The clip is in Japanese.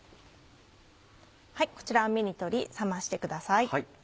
こちら網にとり冷ましてください。